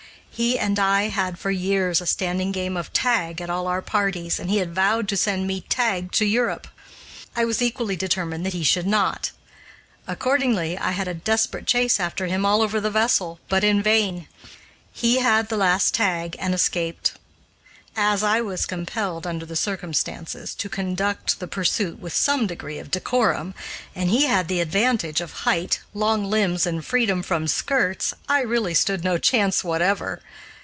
He and I had had for years a standing game of "tag" at all our partings, and he had vowed to send me "tagged" to Europe. I was equally determined that he should not. Accordingly, I had a desperate chase after him all over the vessel, but in vain. He had the last "tag" and escaped. As I was compelled, under the circumstances, to conduct the pursuit with some degree of decorum, and he had the advantage of height, long limbs, and freedom from skirts, I really stood no chance whatever.